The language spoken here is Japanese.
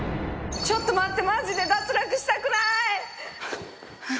ちょっと待ってマジで脱落したくない！